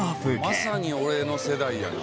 まさに俺の世代やな。